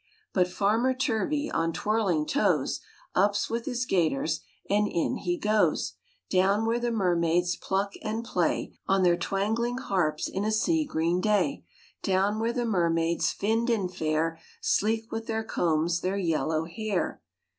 But Farmer Turvey, On twirling toes tip's with his gaiters, And in he goes: Down where the mermaids Pluck and play On their twangling harps In a sea green day; Down where the mermaids, Finned and fair, Sleek with their combs Their yellow hair.